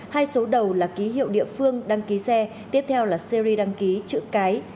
hai số đầu là ký hiệu địa phương đăng ký xe tiếp theo là series đăng ký chữ cái